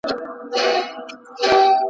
تُوره مې واخيسته او مخته د اوبو یم روان